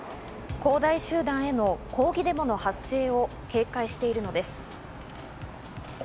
恒大集団への抗議デモの発生を警戒しているのです。